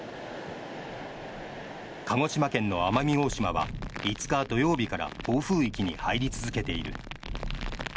鹿児島県と奄美大島は５日土曜日から暴風域に入り続けている。